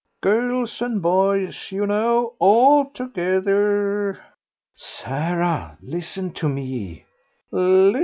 "Girls and boys, you know, all together." "Sarah, listen to me."